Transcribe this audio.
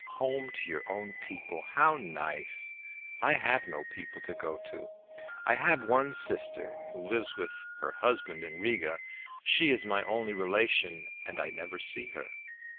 "Home to your own people. How nice! I have no people to go to. I have one sister, who lives with her husband at Riga. She is my only relation, and I never see her."